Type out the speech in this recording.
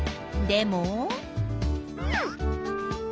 でも？